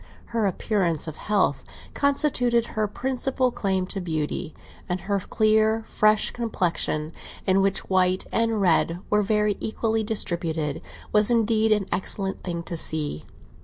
Her appearance of health constituted her principal claim to beauty, and her clear, fresh complexion, in which white and red were very equally distributed, was, indeed, an excellent thing to see.